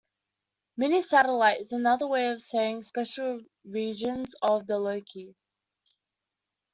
Minisatellite is another way of saying special regions of the loci.